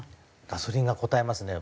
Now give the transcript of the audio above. ガソリンがこたえますね。